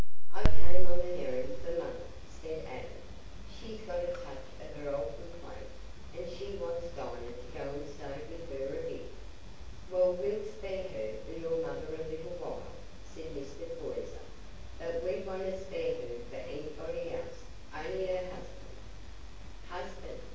"I came on an errand for Mother," said Adam. "She's got a touch of her old complaint, and she wants Dinah to go and stay with her a bit." "Well, we'll spare her for your mother a little while," said Mr. Poyser. "But we wonna spare her for anybody else, on'y her husband." "Husband!"